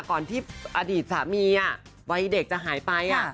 ก่อนที่อดีตสามีวัยเด็กจะหายไป